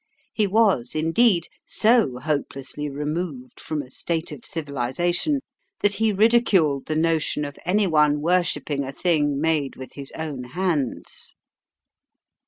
He was, indeed, so hopelessly removed from a state of civilisation that he ridiculed the notion of any one worshipping a thing made with his own hands.